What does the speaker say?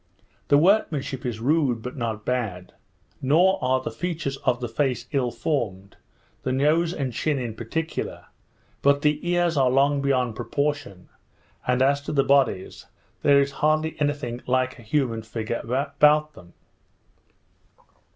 The workmanship is rude, but not bad; nor are the features of the face ill formed, the nose and chin in particular; but the ears are long beyond proportion; and, as to the bodies, there is hardly any thing like a human figure about them.